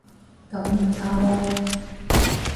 咁咪加囉